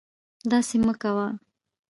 داسې مکوه